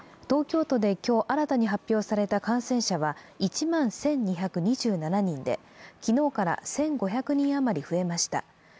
東京都で今日、新たに発表された感染者は１万１２２７人で、昨日から１５００人余り増えました。